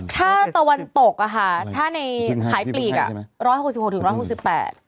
ถ้าตะวันตกอะค่ะถ้าในขายปีกอ่ะ๑๖๖๑๖๘